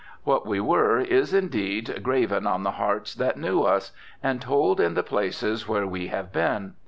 What we were is, indeed, graven on the hearts that knew us, and told in the places where we have been.